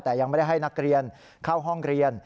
แต่ยังไม่ได้ให้นักเรียนเข้าห้องเรียน